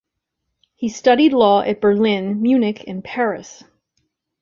He studied law at Berlin, Munich, and Paris.